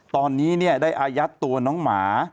ตอนนี้เนี่ยได้อายัดตัวหนุ่มหมา